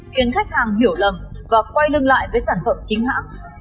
khiến khách hàng hiểu lầm và quay lưng lại với sản phẩm chính hãng